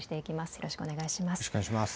よろよろしくお願いいたします。